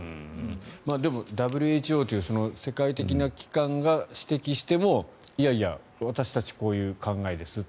でも、ＷＨＯという世界的な機関が指摘してもいやいや、私たちこういう考えですと。